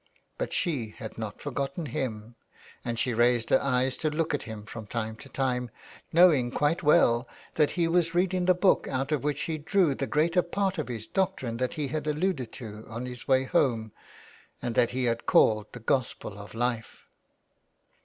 But she had not forgotten him, and she raised her eyes to look at him from time to time, knowing quite well that he was reading the book out of which he drew the greater part of his doctrine that he had alluded to on his way home, and that he had called the Gospel of Life.